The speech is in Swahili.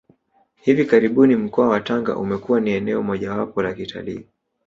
Hivi karibuni mkoa wa Tanga umekuwa ni eneo mojawapo la kitalii